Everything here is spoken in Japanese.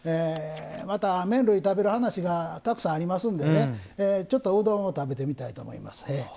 また、麺類食べる話がたくさんありますんでちょっと、うどんを食べてみたいと思います。